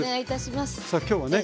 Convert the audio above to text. さあ今日はね